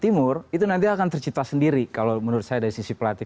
timur itu nanti akan tercipta sendiri kalau menurut saya dari sisi pelatih